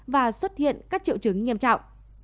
và xuất hiện các triệu chứng nghiêm trọng